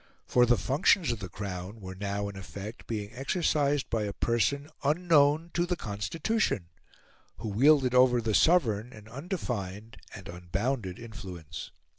For the functions of the Crown were now, in effect, being exercised by a person unknown to the Constitution, who wielded over the Sovereign an undefined and unbounded influence.